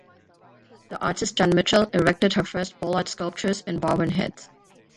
The artist Jan Mitchell erected her first bollard sculptures in Barwon Heads.